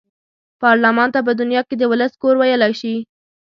پارلمان ته په دنیا کې د ولس کور ویلای شي.